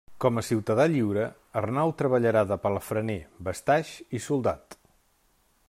Com a ciutadà lliure, Arnau treballarà de palafrener, bastaix i soldat.